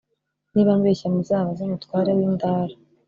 niba mbeshya muzabaze umutware w’i ndara